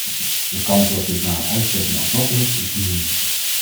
De kans dat dit na uitzetting alsnog lukt, is nihil.